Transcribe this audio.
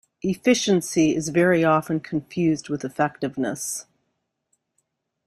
Efficiency is very often confused with effectiveness.